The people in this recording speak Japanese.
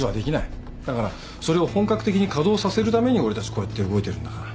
だからそれを本格的に稼働させるために俺たちこうやって動いてるんだから。